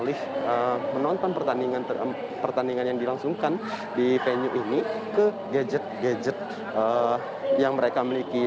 mereka menonton pertandingan yang dilangsungkan di venue ini ke gadget gadget yang mereka miliki